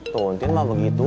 tuh entin mah begitu